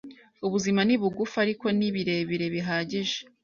Ubuzima ni bugufi, ariko ni birebire bihagije.